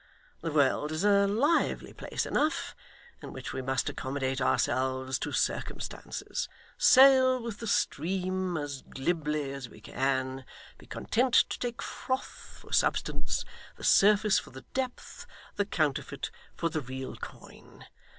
The world is a lively place enough, in which we must accommodate ourselves to circumstances, sail with the stream as glibly as we can, be content to take froth for substance, the surface for the depth, the counterfeit for the real coin.